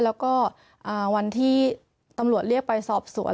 แล้วก็วันที่ตำรวจเรียกไปสอบสวน